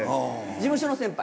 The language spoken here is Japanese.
事務所の先輩？